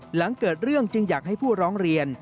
หลังเกิดเรื่องจึงอยากให้ผู้ร้องเรียน